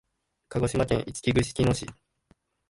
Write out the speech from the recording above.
鹿児島県いちき串木野市